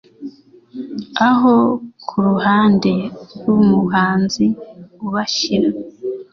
aho, kuruhande rwumuhanzi ubashyira